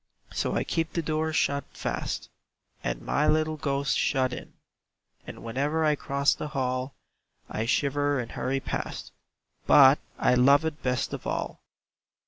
So I keep the door shut fast, And my little ghost shut in, And whenever I cross the hall I shiver and hurry past; But I love it best of all.